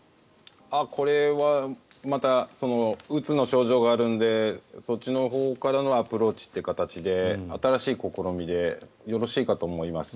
これはまたうつの症状があるのでそっちのほうからのアプローチという形で新しい試みでよろしいかと思います。